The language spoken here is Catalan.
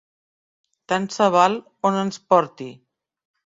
Tant se val on ens porti!